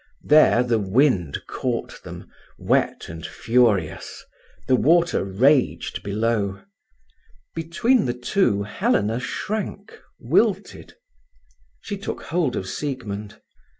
There the wind caught them, wet and furious; the water raged below. Between the two Helena shrank, wilted. She took hold of Siegmund.